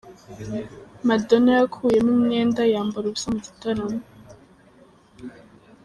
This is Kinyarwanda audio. Madona yakuyemo imyenda yambara ubusa mu gitaramo